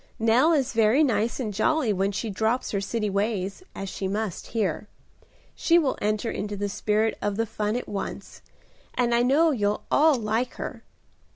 Nell is very nice and jolly when she drops her city ways, as she must here. She will enter into the spirit of the fun at once, and I know you'll all like her.